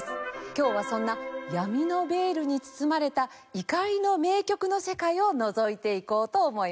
今日はそんな闇のベールに包まれた異界の名曲の世界を覗いていこうと思います。